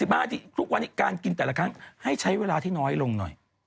ทุกวันนี้การกินแต่ละครั้งให้ใช้เวลาที่น้อยลงหน่อย